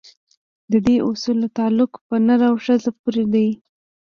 د دې اصول تعلق په نر او ښځې پورې دی.